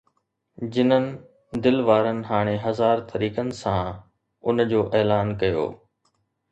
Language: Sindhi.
جنن دل وارن هاڻي هزار طريقن سان ان جو اعلان ڪيو